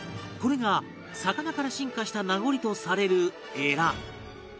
これが魚から進化した名残とされるエラ